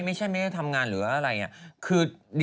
ไม่ใช่ทำงานหรืออะไร